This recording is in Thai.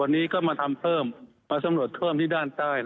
วันนี้พี่เป็นคนมาสำรวจเพิ่มที่ต้านใต้